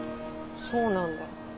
そうなんだ。